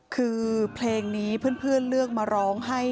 คือเพลงนี้เพื่อนเลือกมาร้องให้